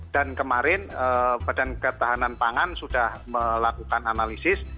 dan kemarin badan ketahanan pangan sudah melakukan analisis